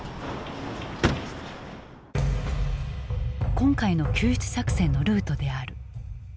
今回の救出作戦のルートである。